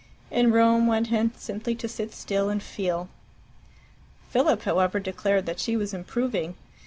In Rome one had simply to sit still and feel. Philip, however, declared that she was improving.